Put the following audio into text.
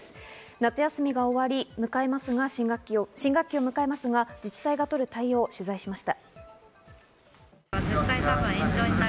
夏休みが終わり、新学期を迎えますが、自治体が取る対応を取材しました。